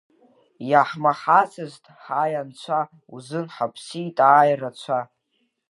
Иаҳмаҳацызт, ҳаи, Анцәа, узын ҳаԥсит ааи рацәа…